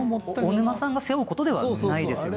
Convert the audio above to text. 大沼さんが背負うことではないですよね。